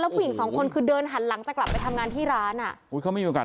ผู้หญิงสองคนคือเดินหันหลังจะกลับไปทำงานที่ร้านอ่ะอุ้ยเขาไม่มีโอกาส